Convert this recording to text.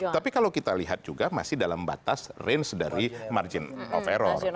tapi kalau kita lihat juga masih dalam batas range dari margin of error